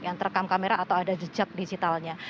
yang terekam kamera atau ada jejak digitalnya